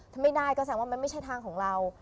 ถ้าไม่ได้ก็แสดงว่ามันไม่ใช่ทางของเรา